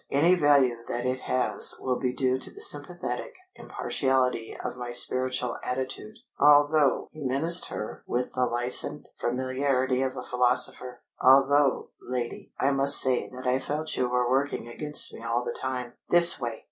Any value that it has will be due to the sympathetic impartiality of my spiritual attitude. Although" he menaced her with the licenced familiarity of a philosopher "Although, lady, I must say that I felt you were working against me all the time.... This way!"